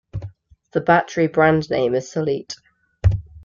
The battery brand name is Solite.